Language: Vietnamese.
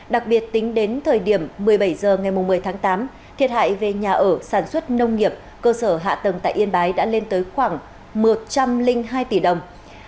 đặc biệt tính đến thời điểm một mươi bảy h ngày một mươi tháng tám thiệt hại về nhà ở sản xuất nông nghiệp cơ sở hạ tầng tại yên bái đã lên tới khoảng một trăm linh hai tỷ đồng